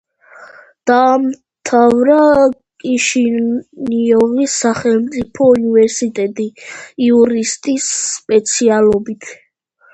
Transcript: დაამთავრა კიშინიოვის სახელმწიფო უნივერსიტეტი იურისტის სპეციალობით.